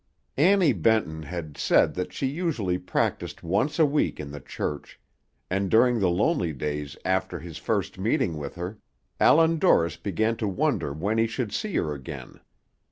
Annie Benton had said that she usually practised once a week in the church; and during the lonely days after his first meeting with her, Allan Dorris began to wonder when he should see her again.